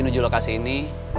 menuju lokasi ini